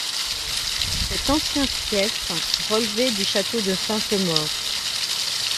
Cet ancien fief relevait du château de Sainte-Maure.